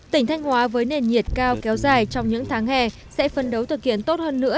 tỉnh thanh hóa với nền nhiệt cao kéo dài trong những tháng hè sẽ phân đấu thực hiện tốt hơn nữa